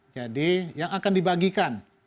jadi yang akan dibagikan